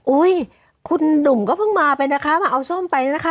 คุณหนุ่มก็เพิ่งมาไปนะคะมาเอาส้มไปนะคะ